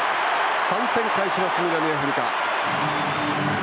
３点返します、南アフリカ。